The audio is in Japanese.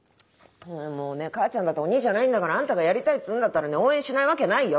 もうね母ちゃんだって鬼じゃないんだからあんたがやりたいっつうんだったらね応援しないわけないよ。